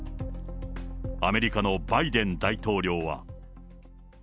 アメリカのバイデン大統領は。